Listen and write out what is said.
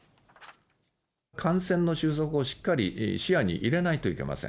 感染の終息をしっかり視野に入れないといけません。